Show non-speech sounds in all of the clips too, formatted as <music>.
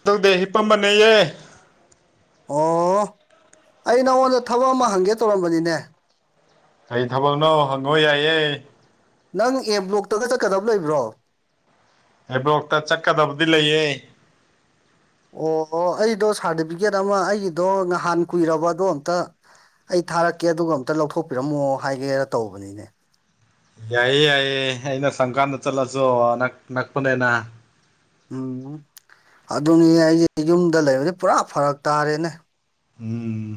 ꯑꯗꯨꯧꯗꯦ ꯍꯤꯄꯝꯝꯕꯅꯦꯌꯦꯦ ꯑꯣ ꯑꯩ ꯅꯪꯉꯣꯟꯗ ꯊꯕꯛ ꯑꯃ ꯍꯪꯒꯦ ꯇꯧꯔꯝꯕꯅꯤꯅꯦ ꯀꯔꯤ ꯊꯥꯕꯜꯅꯣ ꯍꯪꯉꯣ ꯌꯥꯏꯌꯦꯦ ꯅꯪ ꯑꯦ ꯕ꯭ꯂꯣꯛꯇꯒ ꯆꯠꯀꯗꯕ ꯂꯩꯕ꯭ꯔꯣ ꯍꯕ꯭ꯔꯣꯛꯇ ꯆꯠꯀꯗꯕꯗꯤ ꯂꯩꯌꯦ ꯑꯣ ꯑꯩꯗꯣ ꯁꯥꯔꯇꯤꯐꯤꯀꯦꯠ ꯑꯃ ꯑꯩꯒꯤꯗꯣ ꯅꯍꯥꯟ ꯀꯨꯏꯔꯕꯗꯣ ꯑꯝꯇ ꯑꯩ ꯊꯥꯔꯛꯀꯦ ꯑꯗꯨꯒ ꯑꯝꯇ ꯂꯧꯊꯣꯛꯄꯤꯔꯝꯃꯣ ꯍꯥꯏꯒꯦꯔ ꯇꯧꯕꯅꯤꯅꯦ ꯌꯥꯏꯌꯦ ꯌꯥꯏꯌꯦ ꯑꯩꯅ ꯁꯪꯀꯥꯟꯅ ꯆꯠꯂꯁꯨ ꯅꯛ ꯅꯛꯄꯅꯦꯅ ꯎꯝ ꯑꯗꯨꯅꯤ ꯑꯩꯁꯦ ꯌꯨꯝꯗ ꯂꯩꯕꯗꯤ ꯄꯨꯔꯥ ꯐꯔꯛ ꯇꯥꯔꯦꯅꯦ ꯎꯝ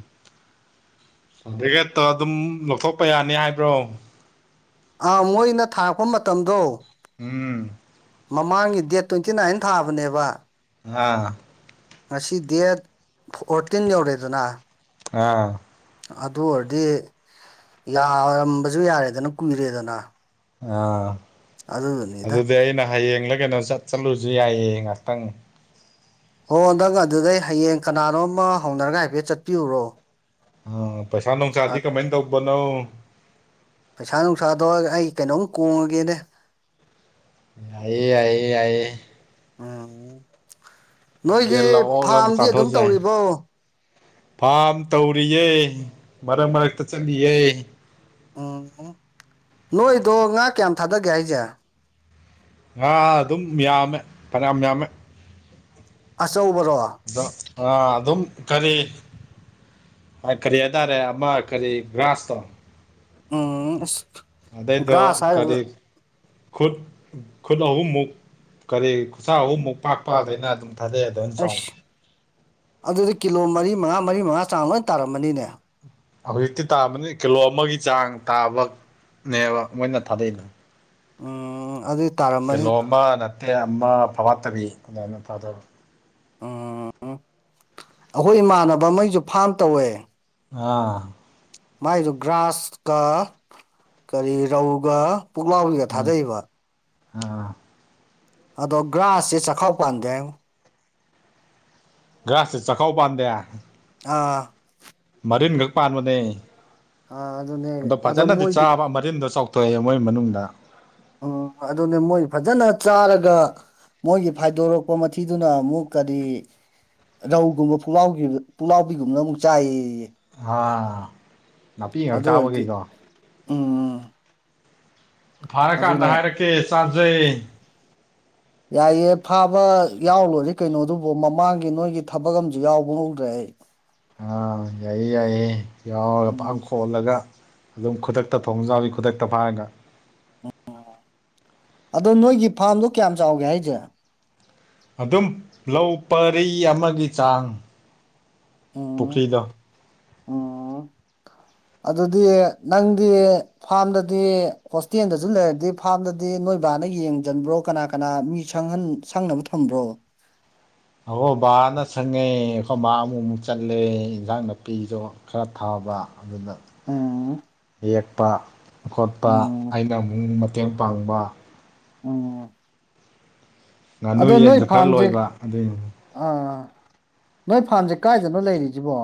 ꯁꯟꯗꯤꯤꯀꯦꯠꯇ ꯑꯗꯨꯝ ꯂꯧꯊꯣꯛꯄ ꯌꯥꯅꯤ ꯍꯥꯏꯕ꯭ꯔꯣ ꯑꯥ ꯃꯣꯏꯅ ꯊꯥꯔꯛꯄ ꯃꯇꯝꯗꯣ ꯎꯝ ꯃꯃꯥꯡꯒꯤ ꯗꯦꯠ ꯇ꯭ꯋꯦꯟꯇꯤ ꯅꯥꯏꯟ ꯊꯥꯕꯅꯦꯕ ꯑꯥ ꯉꯁꯤ ꯗꯦꯠ ꯐꯣꯔꯇꯤꯟ ꯌꯧꯔꯦꯗꯅ ꯑꯥ ꯑꯗꯨ ꯑꯣꯏꯔꯗꯤ ꯌꯥꯔꯝꯕꯁꯨ ꯌꯥꯔꯦꯗꯅ ꯀꯨꯏꯔꯦꯗꯅ ꯑꯥ ꯑꯗꯨꯗꯨꯅꯤꯗ ꯑꯗꯨꯗꯤ ꯑꯩꯅ ꯍꯌꯦꯡꯂ ꯀꯩꯅꯣ ꯆꯠ ꯆꯠꯂꯨꯁꯨ ꯌꯥꯏꯌꯦ ꯉꯍꯥꯛꯇꯪ ꯍꯣ ꯍꯟꯗꯪ ꯑꯗꯨꯗꯩ ꯍꯌꯦꯡ ꯀꯅꯥꯅꯣꯝ ꯑꯃ ꯍꯧꯅꯔꯒ ꯍꯥꯏꯐꯦꯠ ꯆꯠꯄꯤꯌꯨꯔꯣ ꯑ ꯄꯩꯁꯥ ꯅꯨꯡꯁꯥꯗꯤ ꯀꯃꯥꯏꯅ ꯇꯧꯕꯅꯣ ꯄꯩꯁꯥ ꯅꯨꯡꯁꯥ ꯇꯧꯔꯒ ꯑꯩ ꯀꯩꯅꯣꯝ ꯀꯣꯡꯉꯒꯦꯅꯦ ꯌꯥꯏꯌꯦ ꯍꯥꯏꯏꯌꯦ ꯍꯥꯏꯏꯌꯦ ꯎꯝ ꯅꯣꯏꯒꯤ ꯌꯦꯟ ꯂ ꯑꯣꯛꯂ ꯐꯥꯔꯝꯗꯤ ꯑꯗꯨꯝ ꯆꯥꯊꯣꯛꯑꯁꯨ ꯌꯥꯏ ꯇꯧꯔꯤꯕꯣ ꯐꯥꯝ ꯇꯧꯔꯤꯌꯦꯦ ꯃꯔꯛ ꯃꯔꯛꯇ ꯆꯠꯂꯤꯌꯦꯦ ꯎꯝ ꯅꯣꯏꯗꯣ ꯉꯥ ꯀꯌꯥꯝ ꯊꯥꯗꯒꯦ ꯍꯥꯏꯁꯦ ꯉꯥ ꯑꯗꯨꯝ ꯌꯥꯝꯃꯦ ꯐꯅꯌꯥꯝ ꯌꯥꯝꯃꯦ ꯑꯆꯧꯕꯔꯣ ꯑ ꯑ ꯑꯗꯨꯝ ꯀꯔꯤ ꯀꯔꯤ ꯍꯥꯏꯇꯥꯔꯦ ꯑꯃ ꯀꯔꯤ ꯒ꯭ꯔꯥꯁꯇꯣ ꯎꯝ ꯑꯁ ꯑꯗꯨꯏꯗꯣ ꯒ꯭ꯔꯥꯁ ꯍꯥꯏꯔꯒ ꯀꯔꯤ ꯈꯨꯠ ꯈꯨꯠ ꯑꯍꯨꯝꯃꯨꯛ ꯀꯔꯤ ꯈꯨꯠꯁꯥ ꯑꯍꯨꯝꯃꯨꯛ ꯄꯥꯛꯄꯗꯅ ꯑꯗꯨꯝ ꯊꯥꯗꯥ ꯍꯂꯦ ꯑꯁ ꯑꯗꯨꯗꯤ ꯀꯤꯂꯣ ꯃꯔꯤ ꯃꯉꯥ ꯃꯔꯤ ꯃꯉꯥ ꯆꯥꯡ ꯂꯣꯏ ꯇꯥꯔꯝꯃꯅꯤꯅꯦ ꯍꯧꯖꯤꯛꯇꯤ ꯇꯥꯕꯅꯤ ꯀꯤꯂꯣ ꯑꯃꯒꯤ ꯆꯥꯡ ꯇꯥꯕꯅꯦꯕ ꯃꯣꯏꯅ ꯊꯥꯗꯩꯗꯨ ꯎ ꯑꯗꯨꯗ ꯀꯤꯂꯣ ꯑꯃ ꯅꯠꯇꯦ ꯑꯃ ꯐꯒꯠꯇꯕꯤ ꯑꯗꯨꯃꯥꯏꯅ ꯐꯥꯗꯕ ꯎꯝ ꯑꯩꯈꯣꯏ ꯏꯃꯥꯟꯅꯕ ꯑꯃꯒꯤꯁꯨ ꯐꯥꯝ ꯇꯧꯋꯦ ꯑꯥ ꯃꯥꯏꯗꯨ ꯒ꯭ꯔꯥꯁꯀ ꯀꯔꯤ ꯔꯧꯒ ꯄꯨꯛꯂꯥꯎꯕꯤꯒ ꯎꯝ ꯊꯥꯗꯩꯕ ꯑꯥ ꯑꯗꯣ ꯒ꯭ꯔꯥꯁꯁꯦ ꯆꯥꯛꯈꯥꯎ ꯄꯥꯟꯗꯦ ꯍꯥꯏ ꯉꯣ ꯒ꯭ꯔꯥꯁꯁꯨ ꯆꯈꯥꯎꯄꯟꯗꯦ ꯑꯥ ꯃꯔꯤꯟ ꯈꯛ ꯄꯥꯟꯕꯅꯦ ꯑꯥ ꯑꯗꯨꯅꯦ ꯑꯗꯣ ꯐꯖꯅꯗꯤ ꯃꯣꯏꯗꯤ ꯆꯥꯕ ꯇꯤꯟꯗꯣ ꯆꯥꯎꯊꯣꯛꯑꯦ ꯃꯣꯏ ꯃꯅꯨꯡꯗ ꯎꯝ ꯑꯗꯨꯅꯦ ꯃꯣꯏ ꯐꯖꯅ ꯆꯥꯔꯒ ꯃꯣꯏꯒꯤ ꯐꯥꯏꯗꯣꯔꯛꯄ ꯃꯊꯤꯗꯨꯅ ꯑꯃꯨꯛ ꯀꯗꯤ ꯔꯧꯒꯨꯝꯕꯂ ꯄꯨꯛꯂꯥꯎꯕꯤꯒꯨꯝꯕꯅ ꯑꯃꯨꯛ ꯆꯥꯏꯌꯦ ꯑꯥ ꯅꯥꯄꯤ ꯉꯥꯛ ꯑꯗꯨ ꯑꯣꯏꯔꯗꯤ ꯆꯥꯕꯈꯩꯗꯣ ꯎꯝ ꯐꯔ ꯀꯥꯟꯅ ꯑꯗꯨꯅ ꯍꯥꯏꯔꯛꯀꯦ ꯆꯥꯁꯦ ꯌꯥꯏꯑꯦ ꯐꯥꯕ ꯌꯥꯎ ꯂꯣꯏꯔꯦ ꯀꯩꯅꯣꯗꯨꯕꯨ ꯃꯃꯥꯡꯒꯤ ꯅꯣꯏꯒꯤ ꯊꯕꯛ ꯑꯃꯁꯨ ꯌꯥꯎꯕ ꯉꯝꯗ꯭ꯔꯦ ꯑꯩ <inaudible> ꯑꯥ ꯌꯥꯏꯌꯦ ꯌꯥꯏꯌꯦ ꯌꯥꯎꯔꯒ ꯄꯥꯡ ꯎꯝ ꯈꯣꯜꯂꯒ ꯑꯗꯨꯝ ꯈꯨꯗꯛꯇ ꯊꯣꯡ ꯖꯕꯤ ꯈꯨꯗꯛꯇ ꯐꯥꯏꯔꯒ ꯑꯗꯣ ꯅꯣꯏꯒꯤ ꯐꯥꯔꯝꯗꯣ ꯀꯌꯥꯝ ꯆꯥꯎꯒꯦ ꯍꯥꯏꯁꯦ ꯑꯗꯨꯝ ꯂꯧ ꯄꯔꯤ ꯑꯃꯒꯤ ꯆꯥꯡ ꯎꯝ ꯄꯨꯈ꯭ꯔꯤꯗꯣ ꯎꯝ ꯑꯗꯨꯗꯤ ꯅꯪꯗꯤ ꯐꯥꯔꯝꯗꯗꯤ ꯍꯣꯁꯇꯦꯜꯗꯁꯨ ꯂꯩꯔꯗꯤ ꯐꯥꯔꯝꯗꯗꯤ ꯅꯣꯏꯕꯥꯅ ꯌꯦꯡꯖꯟꯕ꯭ꯔꯣ ꯀꯅꯥ ꯀꯅꯥ ꯃꯤ ꯁꯪꯍꯟ ꯁꯪꯅꯕ ꯊꯝꯕ꯭ꯔꯣ ꯑꯩꯈꯣꯏ ꯕꯥꯅ ꯁꯪꯉꯦ ꯑꯩꯈꯣꯏ ꯕꯥ ꯑꯃꯨꯛ ꯑꯃꯨꯛ ꯆꯠꯂꯦ ꯏꯟꯖꯥꯡ ꯅꯥꯄꯤꯗꯣ ꯈꯔ ꯊꯥꯕ ꯑꯗꯨꯅ ꯎꯝ ꯌꯦꯛꯄ ꯈꯣꯠꯄ ꯎꯝ ꯑꯩꯅ ꯑꯃꯨꯛ ꯇꯦꯡ ꯄꯥꯡꯕ ꯎꯝ ꯉꯥꯅꯨ ꯑꯗꯣ ꯅꯣꯏ ꯌꯦꯟꯁꯨ ꯈꯔ ꯐꯥꯔꯝꯁꯦ ꯂꯣꯏꯕ ꯑꯗꯨꯏꯅꯤ ꯑꯥ ꯅꯣꯏ ꯐꯥꯝꯁꯦ ꯀꯥꯏꯗꯅꯣ ꯂꯩꯔꯤꯁꯤꯕꯣ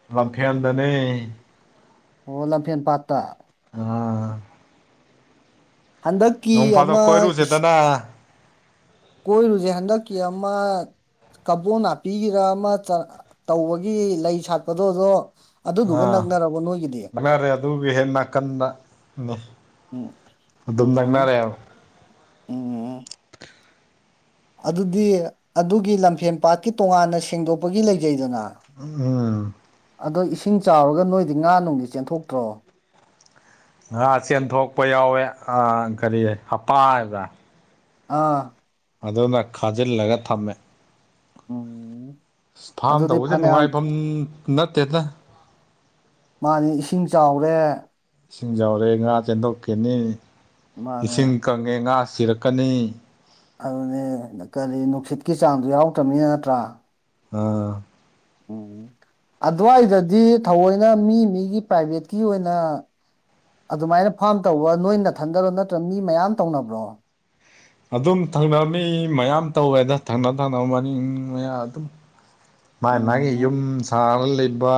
ꯂꯝꯐꯦꯟꯗꯅꯤ ꯑꯣ ꯂꯝꯐꯦꯟ ꯄꯥꯠꯇ ꯑ ꯍꯟꯗꯛꯀꯤ ꯑꯃ ꯏꯁ ꯑꯥ ꯀꯣꯏꯔꯨꯁꯦ ꯍꯟꯗꯛꯀꯤ ꯑꯃ ꯀꯕꯣ ꯅꯥꯄꯤꯒꯤꯔ ꯑꯃ ꯇꯧꯕꯒꯤ ꯂꯩ ꯁꯥꯠꯄꯗꯣꯗꯣ ꯑꯥ ꯃꯅꯥꯔꯦ ꯑꯗꯨꯒꯤ ꯍꯦꯛ ꯅꯥꯀꯟꯗꯅꯤ ꯎꯝ ꯑꯗꯨꯝ ꯎꯝ ꯅꯀꯅꯥꯔꯦꯕ ꯎꯝ ꯑꯗꯨꯗꯤ ꯑꯗꯨꯒꯤ ꯂꯝꯐꯦꯟ ꯄꯥꯠꯀꯤ ꯇꯣꯉꯥꯟꯅ ꯁꯦꯡꯗꯣꯛꯄꯒꯤ ꯂꯩꯖꯩꯗꯅ ꯎꯝ ꯎꯝ ꯎꯝ ꯑꯗꯣ ꯏꯁꯤꯡ ꯆꯥꯎꯔꯒ ꯅꯣꯏꯗꯤ ꯉꯥ ꯅꯨꯡꯗꯤ ꯆꯦꯟꯊꯣꯛꯇ꯭ꯔꯣ ꯉꯥ ꯆꯦꯟꯊꯣꯛꯄ ꯌꯥꯎꯋꯦ ꯑꯥ ꯀꯔꯤ ꯍꯞꯄꯥꯕ ꯑꯥ ꯑꯗꯨꯅ ꯈꯥꯖꯤꯜꯂꯒ ꯊꯝꯃꯦ ꯎꯝ ꯐꯥꯝ ꯑꯗꯨꯗꯤ ꯇꯧꯕꯁꯦ ꯐꯅꯌꯥꯝ ꯅꯨꯡꯉꯥꯏꯐꯝ ꯅꯠꯇꯦꯗ ꯃꯥꯅꯤ ꯏꯁꯤꯡ ꯆꯥꯎꯔꯦ ꯏꯁꯤꯡ ꯆꯥꯎꯔꯦ ꯉꯥ ꯆꯦꯟꯊꯣꯛꯀꯅꯤ ꯃꯥꯅꯦ ꯏꯁꯤꯡ ꯀꯪꯉꯦ ꯉꯥ ꯁꯤꯔꯛꯀꯅꯤ ꯑꯗꯨꯅꯦ ꯀꯔꯤ ꯅꯨꯡꯁꯤꯠꯀꯤ ꯆꯥꯡꯗꯨ ꯌꯥꯎꯔꯛꯇ꯭ꯔꯕꯅꯤꯅ ꯅꯠꯇ꯭ꯔꯥ ꯑꯥ ꯎꯝ ꯑꯗꯨꯋꯥꯏꯗꯗꯤ ꯊꯑꯣꯏꯅ ꯃꯤ ꯃꯤꯒꯤ ꯄ꯭ꯔꯥꯏꯚꯦꯠꯀꯤ ꯑꯣꯏꯅ ꯑꯗꯨꯃꯥꯏꯅ ꯐꯥꯝ ꯇꯧꯕ ꯅꯣꯏ ꯊꯟꯗꯔꯣ ꯅꯠꯇ꯭ꯔ ꯃꯤ ꯃꯌꯥꯝ ꯇꯧꯅꯕ꯭ꯔꯣ ꯑꯗꯨꯝ ꯊꯪꯅꯕ ꯃꯤ ꯃꯌꯥꯝ ꯇꯧꯋꯦꯗ ꯊꯪꯅ ꯊꯛꯅꯕ ꯃꯅꯤꯡ ꯃꯌꯥ ꯑꯗꯨꯝ ꯃꯥ ꯃꯥꯒꯤ ꯎꯝ ꯌꯨꯝ ꯁꯥꯔ ꯂꯩꯕ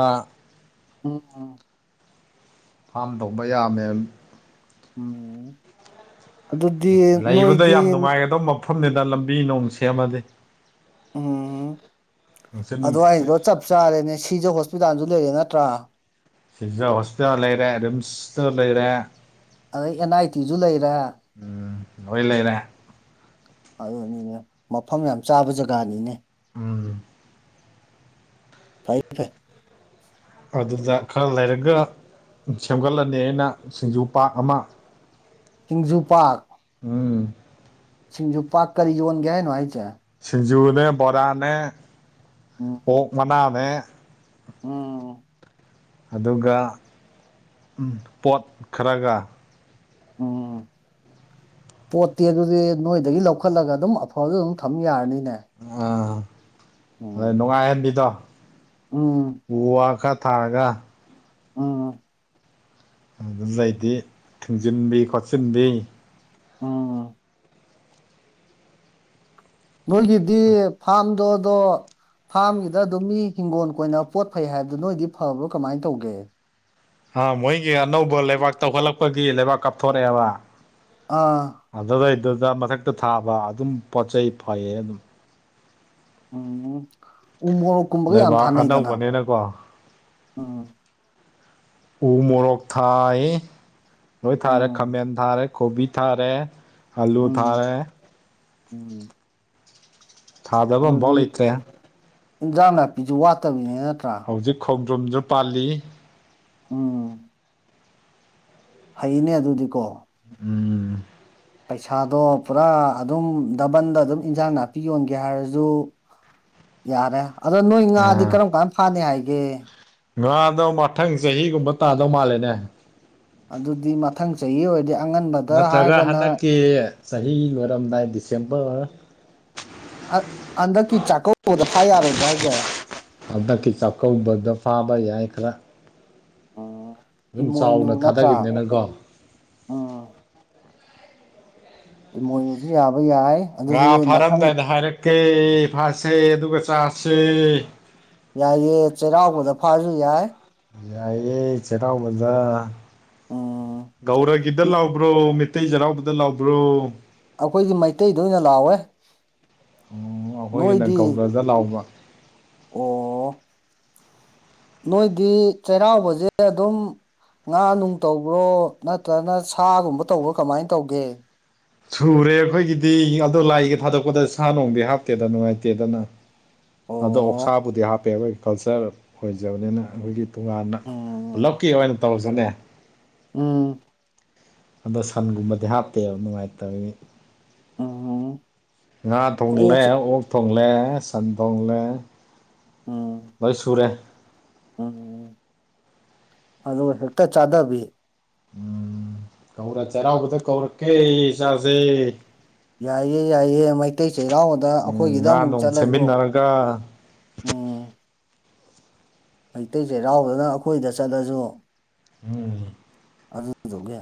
ꯎꯝ ꯎ ꯐꯥꯝ ꯇꯧꯕ ꯌꯥꯝꯃꯦ ꯎꯝ ꯑꯗꯨꯗꯤ ꯅꯣꯏꯗꯤ ꯐꯝꯗꯦꯗ ꯂꯝꯕꯤ ꯅꯣꯡ ꯁꯦꯝꯃꯗꯤ ꯎꯝ ꯅꯨꯡꯁꯤꯠ ꯅꯨꯡꯁꯤꯠ ꯑꯩꯗꯣ ꯆꯞ ꯆꯥꯔꯦꯅꯦ ꯁꯤꯖ ꯍꯣꯁꯄꯤꯇꯥꯜꯁꯨ ꯂꯩꯔꯦ ꯅꯠꯇ꯭ꯔꯥ ꯁꯤꯖꯥ ꯍꯣꯁꯄꯤꯇꯥꯜꯁꯨ ꯂꯩꯔꯦ ꯔꯤꯝꯁꯇ ꯂꯩꯔꯦ ꯑꯗꯩ ꯑꯦꯟ ꯑꯥꯏ ꯇꯤꯖꯨ ꯂꯩꯔꯦ ꯎꯝ ꯂꯣꯏ ꯂꯩꯔꯦ ꯑꯗꯨꯅꯤꯅꯦ ꯃꯐꯝ ꯌꯥꯝ ꯆꯥꯕ ꯖꯒꯥꯅꯤꯅꯦ ꯎꯝ ꯐꯩ ꯐꯩ ꯑꯗꯨꯗ ꯈꯔ ꯂꯩꯔꯒ ꯁꯦꯝꯒꯠꯂꯅꯤ ꯑꯩꯅ ꯁꯤꯡꯖꯨ ꯄꯥ ꯑꯃ ꯆꯤꯡꯖꯨ ꯄꯥꯛ ꯎꯝ ꯁꯤꯡꯁꯨ ꯄꯥꯛ ꯀꯔꯤ ꯌꯣꯟꯒꯦ ꯍꯥꯏꯅꯣ ꯍꯥꯏꯁꯦ ꯁꯤꯡꯖꯨꯅꯦ ꯕꯣꯔꯥꯅꯦ ꯎꯝ ꯑꯣꯛ ꯃꯅꯥꯅ ꯦ ꯎꯝ ꯑꯗꯨꯒ ꯄꯣꯠ ꯈꯔꯒ ꯎꯝ ꯄꯣꯠꯇꯤ ꯑꯗꯨꯗꯤ ꯅꯣꯏꯗꯒꯤ ꯂꯧꯈꯠꯂꯒ ꯑꯗꯨꯝ ꯑꯐꯗ ꯑꯗꯨꯝ ꯊꯝ ꯌꯥꯔꯅꯤꯅꯦ ꯑꯥ ꯍꯣꯏ ꯎꯝ ꯅꯨꯡꯉꯥꯏꯍꯟꯕꯤꯗꯣ ꯎꯝ ꯎ ꯋꯥ ꯈꯔ ꯊꯥꯔꯒ ꯎꯝ ꯑꯗꯨ ꯂꯩꯗꯤ ꯊꯤꯡꯖꯤꯟꯕꯤ ꯈꯣꯠꯆꯤꯟꯕꯤ ꯎꯝ ꯃꯣꯏꯒꯤꯗꯤ ꯐꯥꯔꯝꯗꯣꯗꯣ ꯐꯥꯔꯝꯒꯤꯗ ꯑꯗꯨꯝ ꯃꯤ ꯍꯤꯡꯒꯣꯜ ꯀꯣꯏꯅ ꯄꯣꯠ ꯐꯩ ꯍꯥꯏꯕꯗꯨ ꯅꯣꯏꯗꯤ ꯐꯕ꯭ꯔꯣ ꯀꯃꯥꯏꯅ ꯇꯧꯒꯦ ꯑ ꯃꯣꯏꯒꯤ ꯑꯅꯧꯕ ꯂꯩꯕꯥꯛ ꯇꯧꯈꯠꯂꯛꯄꯒꯤ ꯂꯩꯕꯥꯛ ꯀꯥꯞꯊꯣꯔꯛꯑꯦꯕ ꯑꯥ ꯑꯗꯨꯗꯩꯗꯨꯗ ꯃꯊꯛꯇ ꯊꯥꯕ ꯑꯗꯨꯝ ꯄꯣꯠ ꯆꯩ ꯐꯩꯌꯦ ꯑꯗꯨꯝ ꯎꯝ ꯎꯃꯣꯔꯣꯛ ꯀꯨꯝꯕꯒ ꯌꯥꯝ ꯂꯩꯕꯥꯛ ꯊꯥꯅꯩꯗꯅ ꯑꯅꯧꯕꯅꯤꯅꯀꯣ ꯎꯝ ꯎꯃꯣꯔꯣꯛ ꯊꯥꯏ ꯅꯣꯏ ꯊꯥꯔꯦ ꯎꯝ ꯈꯥꯃꯦꯟ ꯊꯥꯔꯦ ꯀꯣꯕꯤ ꯊꯥꯔꯦ ꯑꯜꯂꯨ ꯎꯝ ꯊꯥꯔꯦ ꯎꯝ ꯊꯥꯗꯕ ꯑꯝꯐꯥꯎ ꯑꯗꯨꯗꯤ ꯂꯩꯇ꯭ꯔꯦ ꯏꯟꯖ꯭ꯔꯥꯡ ꯅꯥꯄꯤꯁꯨ ꯋꯥꯠꯇꯕꯤꯅꯦ ꯅꯠꯇ꯭ꯔꯥ ꯍꯧꯖꯤꯛ ꯈꯣꯡꯗ꯭ꯔꯨꯝꯁꯨ ꯄꯥꯜꯂꯤ ꯎꯝ ꯍꯩꯅꯦ ꯑꯗꯨꯗꯤꯀꯣ ꯎꯝ ꯄꯩꯁꯥꯗꯣ ꯄꯨꯔꯥ ꯑꯗꯨꯝ ꯗꯕꯟꯗ ꯑꯗꯨꯝ ꯏꯟꯁꯥꯡ ꯅꯥꯄꯤ ꯌꯣꯟꯒꯦ ꯍꯥꯏꯔꯁꯨ ꯌꯥꯔꯦ ꯑꯗꯣ ꯅꯣꯏ ꯉꯥꯗꯤ ꯀꯔꯝ ꯀꯥꯟ ꯐꯥꯅꯤ ꯍꯥꯏꯒꯦ ꯉꯥꯗꯧ ꯃꯊꯪ ꯆꯍꯤꯒꯨꯝꯕ ꯇꯥꯗꯧ ꯃꯥꯜꯂꯦꯅꯦ ꯑꯗꯨꯗꯤ ꯃꯊꯪ ꯆꯍꯤ ꯑꯣꯏꯔꯦ ꯅꯠꯇ꯭ꯔꯒ ꯍꯟꯗꯛꯀꯤ ꯆꯍꯤ ꯂꯣꯏꯔꯝꯗꯥꯏ ꯗꯤꯁꯦꯝꯕꯔ ꯍꯟꯗꯛꯀꯤ ꯆꯥꯛꯀꯧꯕꯗ ꯐꯥ ꯌꯥꯔꯣꯏꯗ꯭ꯔꯥ ꯍꯥꯏꯁꯦ ꯍꯟꯗꯛꯀꯤ ꯆꯥꯛꯀꯧꯕꯗ ꯐꯥꯕ ꯌꯥꯏ ꯈꯔ ꯑꯗꯨꯝ ꯏꯃꯣꯏꯅꯨ ꯆꯥꯎꯅ ꯅꯠꯇ꯭ꯔꯥ ꯊꯥꯗꯒꯤꯕꯅꯤꯅꯀꯣ ꯎꯝ ꯃꯣꯏꯅꯁꯨ ꯌꯥꯕ ꯌꯥꯏ ꯉꯥ ꯑꯗꯨꯗꯤ ꯃꯊꯪ ꯐꯥꯔꯝꯗꯥꯏꯅ ꯍꯥꯏꯔꯛꯀꯦ ꯐꯁꯦ ꯑꯗꯨꯒ ꯆꯥꯁꯦ ꯌꯥꯏꯌꯦ ꯆꯩꯔꯥꯎꯕꯗ ꯐꯥꯁꯨ ꯌꯥꯏ ꯌꯥꯏꯦ ꯆꯦꯔꯥꯎꯕꯗ ꯎꯝ ꯒꯧꯔꯒꯤꯗ ꯂꯥꯎꯕ꯭ꯔꯣ ꯇꯩꯖꯔꯕꯗ ꯂꯕ꯭ꯔꯣ ꯑꯩꯈꯣꯏꯒꯤ ꯃꯩꯇꯩꯗ ꯑꯣꯏꯅ ꯂꯥꯎꯋꯦ ꯎꯝ ꯑꯈꯣꯏꯒꯤꯅ ꯅꯣꯏꯗꯤ ꯒꯧꯔꯗ ꯂꯥꯎꯕ ꯑꯣ ꯅꯣꯏꯗꯤ ꯆꯩꯔꯥꯎꯕꯁꯦ ꯑꯗꯨꯝ ꯉꯥ ꯅꯨꯡ ꯇꯧꯕ꯭ꯔꯣ ꯅꯠꯇ꯭ꯔꯒꯅ ꯁꯥꯒꯨꯝꯕ ꯇꯧꯕ꯭ꯔꯣ ꯀꯃꯥꯏꯅ ꯇꯧꯒꯦ ꯁꯨꯔꯦ ꯑꯩꯈꯣꯏꯒꯤꯗꯤ ꯑꯗꯣ ꯂꯥꯏꯒ ꯊꯥꯗꯣꯛꯄꯗ ꯁꯥ ꯅꯨꯡꯗꯤ ꯍꯥꯞꯇꯦꯗ ꯅꯨꯡꯉꯥꯏꯇꯦꯗꯅ ꯑꯗꯣ ꯑꯣ ꯑꯣꯛꯁꯥꯕꯨꯗꯤ ꯍꯥꯞꯄꯦ ꯑꯩꯈꯣꯏꯒꯤ ꯀꯜꯆꯔ ꯑꯣꯏꯖꯕꯅꯤꯅ ꯑꯩꯈꯣꯏꯒꯤ ꯇꯣꯉꯥꯟꯅ ꯎꯝ ꯄꯨꯂꯞꯀꯤ ꯑꯣꯏꯅ ꯇꯧꯁꯅꯦ ꯎꯝ ꯑꯗꯣ ꯁꯟꯒꯨꯝꯕꯗꯤ ꯍꯥꯞꯇꯦꯕ ꯅꯨꯡꯉꯥꯏꯇꯕꯒꯤ ꯎꯝ ꯉꯥ ꯊꯣꯡꯂꯦ ꯑꯣꯛꯁꯦ ꯑꯣꯛ ꯊꯣꯡꯂꯦ ꯁꯟ ꯊꯣꯡꯂꯦ ꯑꯣ ꯃꯣꯏ ꯁꯨꯔꯦ ꯎꯝ ꯑꯗꯨ ꯍꯦꯛꯇ ꯆꯥꯗꯕꯤ ꯎꯝ ꯀꯧꯔ ꯆꯩꯔꯥꯎꯕꯗ ꯀꯧꯔꯛꯀꯦ ꯏꯁꯥꯁꯦ ꯌꯥꯏꯑ ꯌꯥꯏꯑ ꯃꯩꯇꯩ ꯆꯩꯔꯥꯎꯗ ꯑꯩꯈꯣꯏꯒꯤꯗ ꯉꯥ ꯑꯃꯨꯛ ꯅꯣꯡ ꯆꯠꯂꯁꯨ ꯁꯦꯝꯃꯤꯟꯅꯔꯒ ꯑꯣ ꯃꯩꯇꯩ ꯆꯩꯔꯥꯎꯗꯅ ꯑꯩꯈꯣꯏꯗ ꯆꯠꯂꯁꯨ ꯎꯝ ꯑꯗꯨꯗꯨꯒꯦ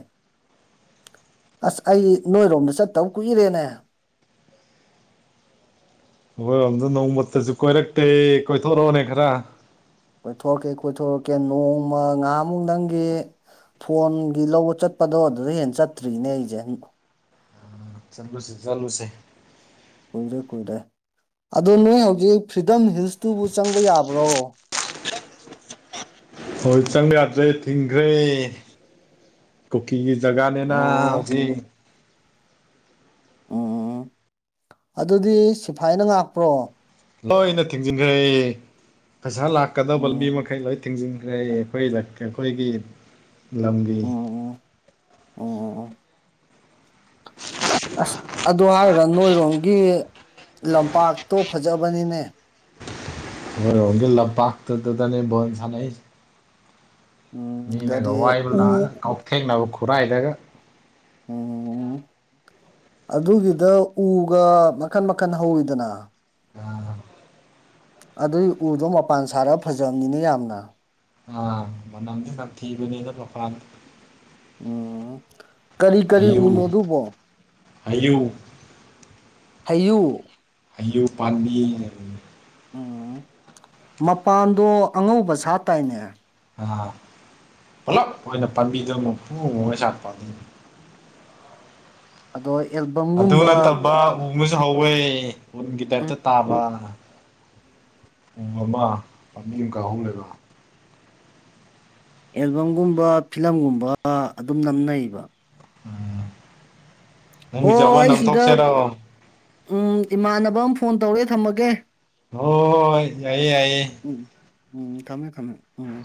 ꯑꯁ ꯑꯩ ꯅꯣꯏꯔꯣꯝꯗ ꯆꯠꯇꯕ ꯀꯨꯏꯔꯦꯅꯦ ꯑꯩꯣꯏꯔꯣꯝꯗ ꯅꯣꯡꯃꯠꯇꯁꯨ ꯀꯣꯏꯔꯛꯇꯦ ꯀꯣꯏꯊꯣꯔꯛꯑꯣꯅꯦ ꯈꯔ ꯀꯣꯏꯊꯣꯔꯛꯀꯦ ꯀꯣꯏꯊꯣꯔꯛꯀꯦ ꯅꯣꯡꯃ ꯉꯥꯃꯨꯗꯪꯒꯤ ꯐꯣꯟꯒꯤ ꯂꯧꯕ ꯆꯠꯄꯗꯣ ꯑꯗꯨꯗ ꯍꯦꯟꯅ ꯆꯠꯇ꯭ꯔꯤꯅꯦ ꯑꯩꯁꯦ ꯆꯠꯂꯨꯁꯦ ꯆꯜꯂꯨꯁꯦ ꯀꯨꯏꯗ꯭ꯔꯦ ꯀꯨꯏꯗ꯭ꯔꯦ ꯑꯗꯣ ꯅꯣꯏ ꯍꯧꯖꯤꯛ ꯐ꯭ꯔꯤꯗꯝ ꯍꯤꯜꯁꯇꯨꯕꯨ ꯆꯪꯕ ꯌꯥꯕ꯭ꯔꯣ ꯍꯣꯏ ꯆꯪꯕ ꯌꯥꯗ꯭ꯔꯦ ꯊꯤꯡꯈ꯭ꯔꯦ ꯀꯨꯀꯤꯒꯤ ꯖꯒꯥꯅꯤꯅ ꯑꯣ ꯍꯧꯖꯤꯛ ꯎꯝ ꯑꯗꯨꯗꯤ ꯁꯤꯐꯥꯏꯅ ꯉꯥꯛꯄ꯭ꯔꯣ ꯂꯣꯏꯅ ꯊꯤꯡꯖꯤꯟꯈ꯭ꯔꯦ ꯐꯁꯥ ꯂꯥꯛꯀꯗꯕ ꯂꯝꯕꯤ ꯎꯝ ꯃꯈꯩ ꯂꯣꯏ ꯊꯤꯡꯖꯤꯟꯈ꯭ꯔꯦ ꯑꯩꯈꯣꯏ ꯑꯩꯈꯣꯏꯒꯤ ꯂꯝꯒꯤ ꯎꯝ ꯎꯝ ꯎꯝ ꯎ ꯑꯁ ꯑꯗꯨ ꯍꯥꯏꯔꯒ ꯅꯣꯏꯔꯣꯝꯒꯤ ꯂꯝꯄꯥꯛꯇꯣ ꯐꯖꯕꯅꯤꯅꯦ ꯅꯣꯢꯔꯣꯝꯒꯤ ꯂꯥꯝꯄꯥꯛꯇꯨꯗꯅꯦ ꯕꯣꯜ ꯁꯥꯟꯅꯩꯁꯦ ꯎꯝ ꯃꯤꯅꯒ ꯀꯔꯤ ꯋꯥꯏꯕ ꯎ ꯂꯥꯛꯑꯒ ꯀꯥꯎꯊꯦꯡꯅꯕ ꯈꯨꯔꯥꯏꯗꯒ ꯎꯝ ꯑꯗꯨꯒꯤꯗ ꯎꯒ ꯃꯈꯟ ꯃꯈꯟ ꯍꯧꯋꯤꯗꯅ ꯑꯝ ꯑꯗꯨꯏ ꯎꯗꯣ ꯃꯄꯥꯟ ꯁꯥꯔꯒ ꯐꯖꯕꯅꯤꯅ ꯌꯥꯝꯅ ꯑ ꯃꯅꯗꯤ ꯊꯕꯅꯦꯗ ꯄꯈꯔ ꯎꯝ ꯀꯔꯤ <inaudible> ꯀꯔꯤ ꯑꯌꯨ ꯎꯅꯣ ꯑꯗꯨꯕꯣ ꯑꯌꯨ <inaudible> ꯍꯥꯏꯌꯨ ꯑꯌꯨ ꯄꯥꯝꯕꯤꯅꯦ ꯎꯝ ꯃꯄꯥꯟꯗꯣ ꯑꯉꯧꯕ ꯁꯥ ꯇꯥꯏꯅꯦ ꯑꯥ ꯄꯨꯂꯞ ꯑꯣꯏꯅ ꯄꯥꯝꯕꯤꯗꯣ ꯄꯨꯡꯉꯥꯎ ꯉꯥꯎꯉꯩ ꯁꯥꯠꯄ ꯑꯗꯣ ꯑꯗꯨ ꯑꯦꯜꯕꯝꯒꯨꯝꯕ ꯅꯠꯇꯕ ꯎ ꯑꯃꯁꯨ ꯍꯧꯋꯦ ꯎꯟꯒꯤ ꯎꯝ ꯇꯥꯏꯞꯇ ꯇꯥꯕ ꯄꯨꯡ ꯑꯃ ꯄꯥꯝꯕꯤ ꯑꯃꯨꯀ ꯑꯍꯨꯝ ꯂꯩꯕ <inaudible> ꯑꯦꯜꯕꯝꯒꯨꯝꯕ ꯐꯤꯂꯝꯒꯨꯝꯕ ꯑꯗꯨꯝ ꯅꯝꯅꯩꯕ ꯑꯝ ꯍꯣ ꯅꯪꯒꯤꯁꯨ ꯑꯃ ꯑꯩ ꯁꯤꯗ ꯅꯝꯊꯣꯛꯁꯦꯔꯣ ꯎꯝ ꯏꯃꯥꯟꯅꯕ ꯑꯃ ꯐꯣꯟ ꯇꯧꯔꯑꯦ ꯊꯝꯃꯒꯦ ꯍꯣꯢ ꯌꯥꯏꯌꯦ ꯌꯥꯏꯌꯦ ꯎꯝ ꯎꯝ ꯊꯝꯃꯦ ꯊꯝꯃꯦ ꯎꯝ